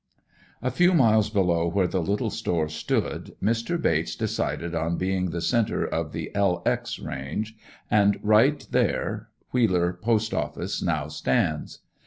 A few miles below where the little store stood Mr. Bates decided on being the center of the "L. X." range; and right there, Wheeler post office now stands.